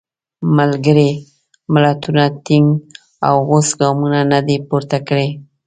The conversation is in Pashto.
ملګري ملتونو ټینګ او غوڅ ګامونه نه دي پورته کړي.